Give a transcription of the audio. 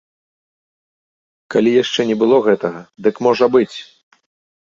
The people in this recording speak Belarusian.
Калі яшчэ не было гэтага, дык можа быць!